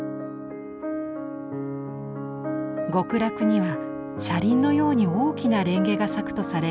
極楽には車輪のように大きな蓮華が咲くとされ